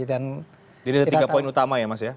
jadi ada tiga poin utama ya mas ya